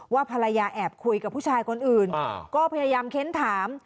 ภรรยาแอบคุยกับผู้ชายคนอื่นก็พยายามเค้นถาม